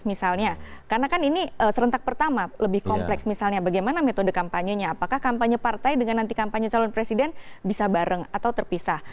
misalnya karena kan ini serentak pertama lebih kompleks misalnya bagaimana metode kampanyenya apakah kampanye partai dengan nanti kampanye calon presiden bisa bareng atau terpisah